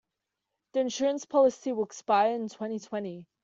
The insurance policy will expire in twenty-twenty.